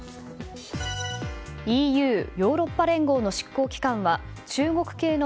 ＥＵ・ヨーロッパ連合の執行機関は中国系の